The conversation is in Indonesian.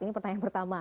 ini pertanyaan pertama